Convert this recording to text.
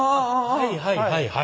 はいはいはいはい。